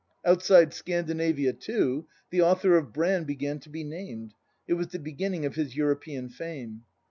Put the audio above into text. Outside Scan dinavia, too, the author of Brand began to be named; it was the beginning of his European fame.